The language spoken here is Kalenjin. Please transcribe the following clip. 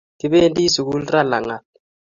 kibendi sukul raa langat